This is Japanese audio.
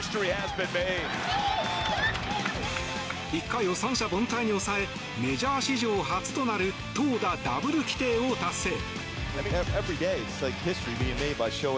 １回を三者凡退に抑えメジャー史上初となる投打ダブル規定を達成。